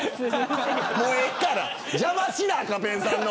もうええから邪魔すんな、赤ペンさんの。